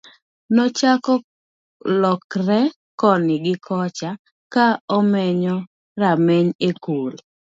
nochako lokre koni gi kocha ka omenyo rameny e kul